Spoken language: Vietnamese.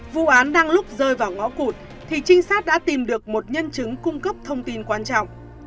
vụ án đang lúc rơi vào ngõ cụt thì trinh sát đã tìm được một nhân chứng cung cấp thông tin quan trọng